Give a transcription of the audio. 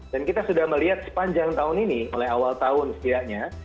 kita sudah melihat sepanjang tahun ini mulai awal tahun setidaknya